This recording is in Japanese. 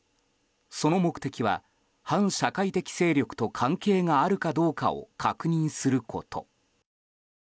その目的は、反社会的勢力と関係があるかどうかを確認すること。